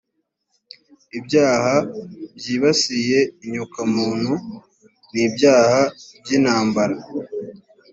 ibyaha byibasiye inyokomuntu n’ibyaha by’intambara